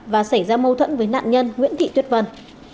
và xảy ra mâu thuẫn với nạn nhân nguyễn thị tuyết vân